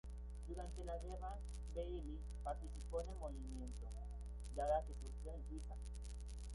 Durante la guerra, Bailly participó en el movimiento Dadá que surgió en Suiza.